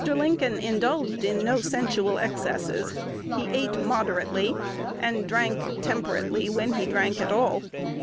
Lincoln indulged in no sensual excesses: he ate moderately, and drank temperately when he drank at all.